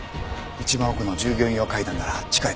一番奥の従業員用階段なら地下へ出られます。